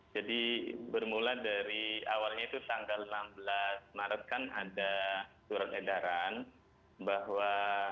jadi bermula dari awalnya itu tanggal enam belas maret kan ada surat edaran bahwa